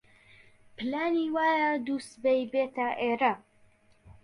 پلانی وایە دووسبەی بێتە ئێرە.